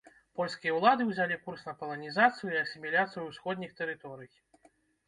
Польскія ўлады ўзялі курс на паланізацыю і асіміляцыю ўсходніх тэрыторый.